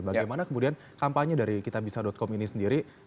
bagaimana kemudian kampanye dari kitabisa com ini sendiri